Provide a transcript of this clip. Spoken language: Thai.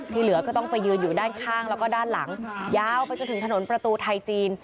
เหลือก็ต้องไปยืนอยู่ด้านข้างแล้วก็ด้านหลังยาวไปจนถึงถนนประตูไทยจีน